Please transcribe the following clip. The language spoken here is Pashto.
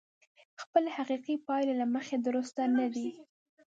خپلې حقيقي پايلې له مخې درسته نه ده.